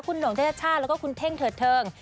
คุณหงเทชชาติแล้วก็คุณเท่งเถิดเทิง